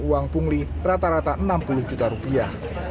uang pungli rata rata enam puluh juta rupiah